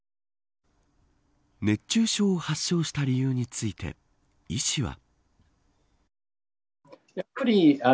熱中症を発症した理由について医師は。